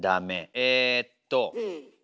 えっと。